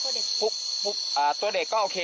ขอบคุณทุกคน